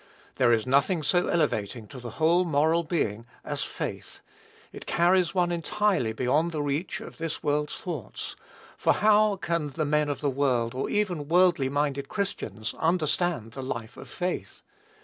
There is nothing so elevating to the whole moral being as faith: it carries one entirely beyond the reach of this world's thoughts; for how can the men of the world, or even worldly minded Christians, understand the life of faith?